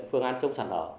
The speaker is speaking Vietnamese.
phương án chống sạt lở